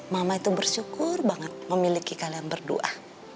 mama itu bersyukur banget memiliki kalian berdua